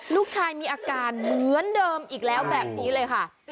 ลูกชายมีอาการเหมือนเดิมอีกแล้วแบบนี้เลยค่ะ